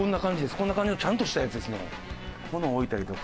こんな感じのちゃんとしたやつですね。